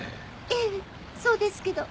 ええそうですけど。